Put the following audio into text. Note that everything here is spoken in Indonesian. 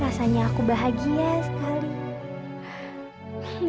rasanya aku bahagia sekali